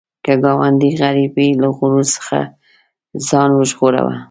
که ګاونډی غریب وي، له غرور څخه ځان وژغوره